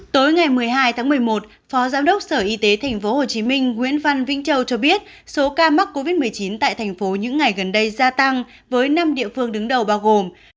tối ngày một mươi hai tháng một mươi một phó giám đốc sở y tế tp hcm nguyễn văn vĩnh châu cho biết số ca mắc covid một mươi chín tại thành phố những ngày gần đây gia tăng với năm địa phương đứng đầu bao gồm